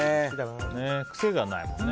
癖がないもんね。